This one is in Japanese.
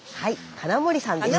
金森さんでした。